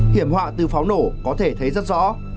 hiểm họa từ pháo nổ có thể thấy rất rõ